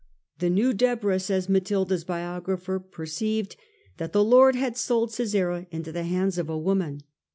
' The new Deborah,' says Matilda's biographer, ^perceived that the Lord had sold Sisera into the hands of a woman.'